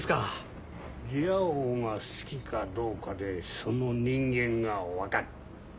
「リア王」が好きかどうかでその人間が分かる。